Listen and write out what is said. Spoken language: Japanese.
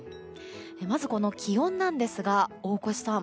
まず、気温なんですが大越さん